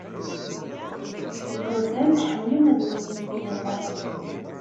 Igerdan ḥemmlen ad walin tiliẓri.